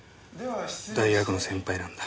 大学の先輩なんだ。